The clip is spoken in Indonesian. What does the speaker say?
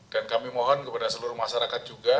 dan kami mohon kepada seluruh masyarakat juga